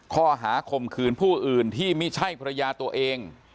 ข้อหาข่มขืนผู้อื่นที่ไม่ใช่ภรรยาตัวเอง